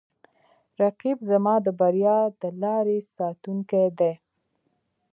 رقیب زما د بریا د لارې ساتونکی دی